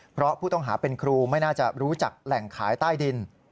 เพราะผู้ต้องหาเป็นครูไม่น่าจะรู้จักแหล่งขายใต้ดิน